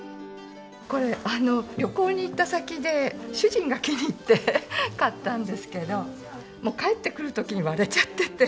これ旅行に行った先で主人が気に入って買ったんですけどもう帰ってくる時に割れちゃってて。